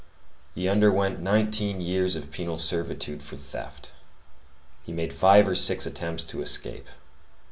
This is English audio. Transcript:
He underwent nineteen years of penal servitude for theft. He made five or six attempts to escape.